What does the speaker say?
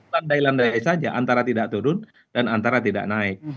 landai landai saja antara tidak turun dan antara tidak naik